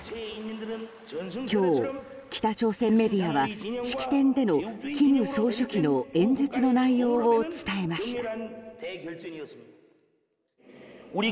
今日、北朝鮮メディアは式典での金総書記の演説の内容を伝えました。